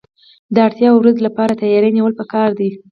د اړتیا ورځې لپاره تیاری نیول پکار دي.